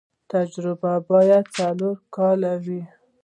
تجربه باید څلور کاله وي.